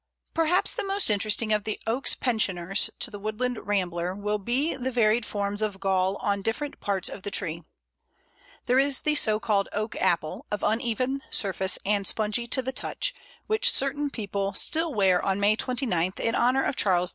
Perhaps the most interesting of the Oak's pensioners to the woodland rambler will be the varied forms of gall on different parts of the tree. There is the so called Oak apple, of uneven surface and spongy to the touch, which certain people still wear on May 29th, in honour of Charles II.